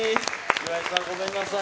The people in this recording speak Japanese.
岩井さん、ごめんなさい。